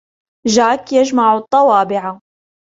جاك يجمع الطوابع.